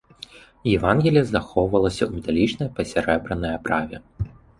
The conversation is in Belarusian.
Евангелле захоўвалася ў металічнай пасярэбранай аправе.